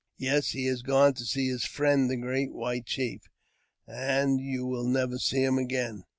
I' Yes, he has gone to see his friend, the great white chief." t And you will never see him again."